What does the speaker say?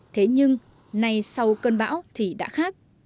thế nhưng nay sau cơn bão thì đã khác